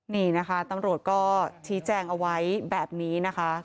นี่นะคะตำรวจก็ชี้แจงเอาไว้แบบนี้นะคะ